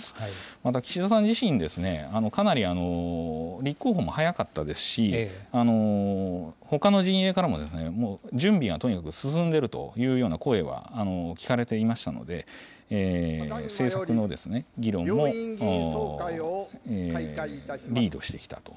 また、岸田さん自身、かなり立候補も早かったですし、ほかの陣営からも、準備がとにかく進んでるというような声は聞かれていましたので、政策の議論もリードしてきたと。